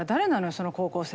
その高校生。